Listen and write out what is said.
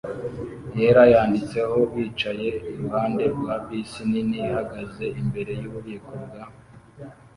yera yanditseho bicaye iruhande rwa bisi nini ihagaze imbere yububiko bwa